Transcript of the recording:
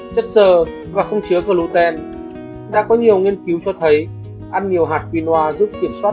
chất xơ và không chứa gluten đã có nhiều nghiên cứu cho thấy ăn nhiều hạt quinoa giúp kiểm soát